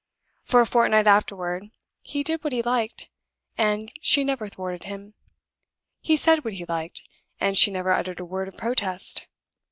For a fortnight afterward he did what he liked, and she never thwarted him; he said what he liked, and she never uttered a word of protest.